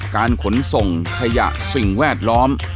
การขนส่งขยะสิ่งแวดล้อม